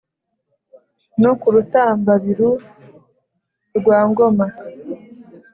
No ku Rutambabiru rwa ngoma